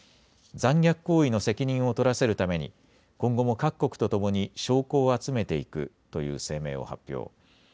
残虐行為の責任を取らせるために今後も各国とともに証拠を集めていくという声明を発表。